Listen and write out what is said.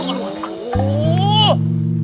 aduh aduh aduh